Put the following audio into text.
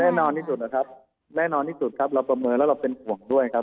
แน่นอนที่สุดนะครับแน่นอนที่สุดครับเราประเมินแล้วเราเป็นห่วงด้วยครับ